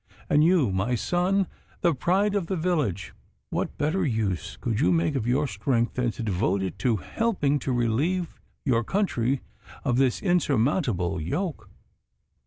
And you, my son, the pride of the village, what better use could you make of your strength than to devote it to helping to relieve your country of this insupportable yoke?